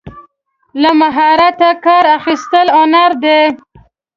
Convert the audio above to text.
له مهارته کار اخیستل هنر دی.